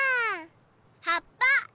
はっぱ！